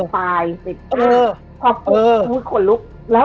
เพราะทุกอย่างมันคยขนลุก